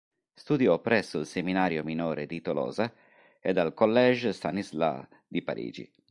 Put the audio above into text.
Studiò presso il seminario minore di Tolosa e al Collège Stanislas di Parigi.